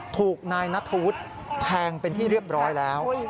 ถูกนายนัทธวุฒิแทงเป็นที่เรียบร้อยแล้ว